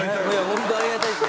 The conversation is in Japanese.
本当ありがたいです。